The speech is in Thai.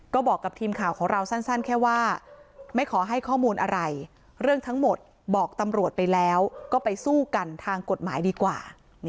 ก็บอกกับทีมข่าวของเราสั้นแค่ว่าไม่ขอให้ข้อมูลอะไรเรื่องทั้งหมดบอกตำรวจไปแล้วก็ไปสู้กันทางกฎหมายดีกว่า